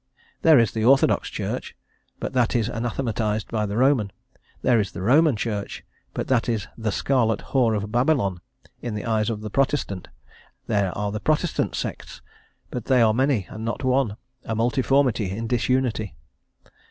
There is the Orthodox Church, but that is anathematised by the Roman; there is the Roman Church, but that is the "scarlet whore of Babylon" in the eyes of the Protestant; there are the Protestant sects, but they are many and not one, a multiformity in disunity.